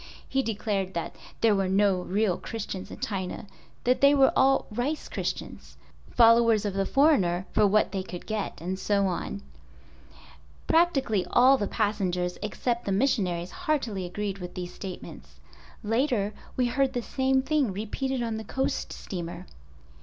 He declared there were no real Christians in China, that they were all "rice" Christians—followers of the foreigner for what they could get and so on. Practically all the passengers, except the missionaries heartily agreed with these statements. Later we heard the same thing repeated on the coast steamer.